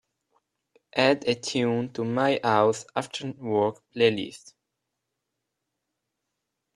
Add the tune to my House Afterwork playlist.